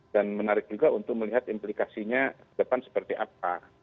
dan menarik juga untuk melihat implikasinya depan seperti apa